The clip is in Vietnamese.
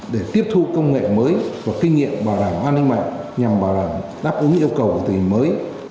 để tiếp thu công nghệ mới và kinh nghiệm bảo đảm an ninh mạng nhằm bảo đảm đáp ứng yêu cầu của tình hình mới